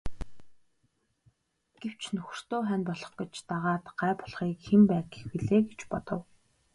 Гэвч нөхөртөө хань болох гэж дагаад гай болохыг хэн байг гэх билээ гэж бодов.